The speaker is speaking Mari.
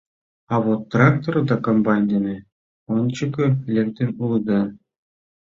А вот трактор да комбайн дене ончыко лектын улыда.